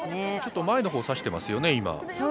今、ちょっと前の方を指してますよね。